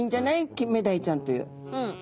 キンメダイちゃんという。